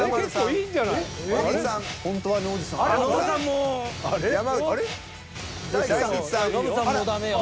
もうダメよ。